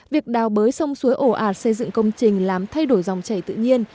việc đào bới sông suối ổ ạt xây dựng công trình làm thay đổi dòng chảy tự nhiên